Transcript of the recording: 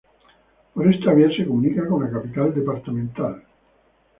Por esta vía se comunica con la capital departamental.